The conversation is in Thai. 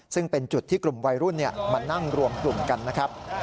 ซึ่งเป็นจุดที่กลุ่มวัยรุ่นมานั่งรวมกลุ่มกันนะครับ